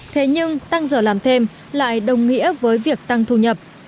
thế nhưng tăng giờ làm thêm lại đồng nghĩa với việc tăng thu nhập